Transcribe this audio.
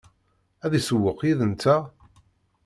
Ad isewweq yid-nteɣ?